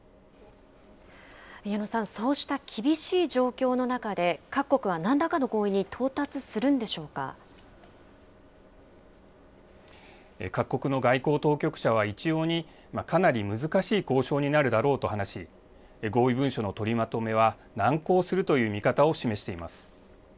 矢野さん、そうした厳しい状況の中で、各国はなんらかの合意に到達するんで各国の外交当局者は一様に、かなり難しい交渉になるだろうと話し、合意文書の取りまとめは難航するという見方を示しています。